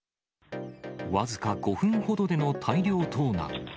僅か５分ほどでの大量盗難。